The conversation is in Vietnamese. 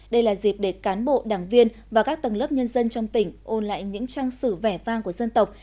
đây là dịp để cán bộ đảng viên và các tầng lớp nhân dân trong tỉnh ôn lại những trang sử vẻ vang của dân tộc